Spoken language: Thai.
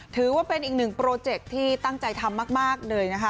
ถือว่าเป็นอีกหนึ่งโปรเจคที่ตั้งใจทำมากเลยนะคะ